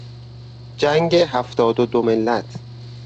جنگ هفتاد و دو ملت...